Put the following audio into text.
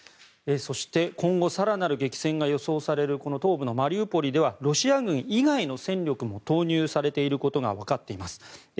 そして今後、更なる激戦が予想されるこの東部のマリウポリではロシア軍以外の戦力も投入されていることがわかっています。